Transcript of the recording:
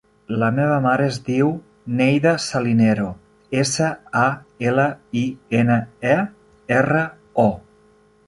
La meva mare es diu Neida Salinero: essa, a, ela, i, ena, e, erra, o.